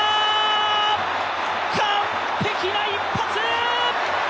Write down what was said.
完璧な一発！